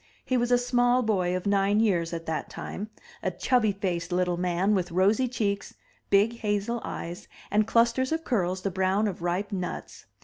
He was a small boy of nine years at that time — a chubby faced little man with rosy cheeks, big hazel eyes, and clusters of curls the brown of ripe nuts.